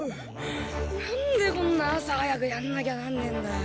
なんでこんな朝早くやんなきゃなんねえんだよ？